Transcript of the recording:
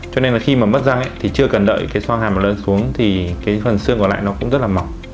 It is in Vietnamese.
cho nên là khi mà mất răng ấy thì chưa cần đợi cái xoang hàm nó lấn xuống thì cái phần xương còn lại nó cũng rất là mỏng